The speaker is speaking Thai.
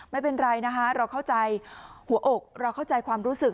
ไม่เป็นไรนะคะเราเข้าใจหัวอกเราเข้าใจความรู้สึก